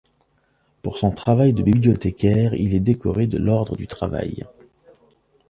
Pour son travail de bibliothécaire, il est décoré de l'Ordre du Travail.